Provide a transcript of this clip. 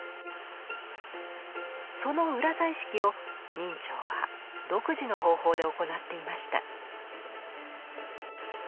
その裏彩色を明兆は独自の方法で行っていました。